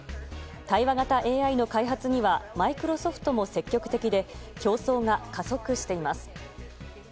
対話型ＡＩの開発にはマイクロソフトも積極的で、競争が加速しています。